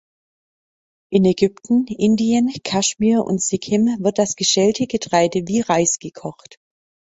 In Ägypten, Indien, Kashmir und Sikkim wird das geschälte Getreide wie Reis gekocht.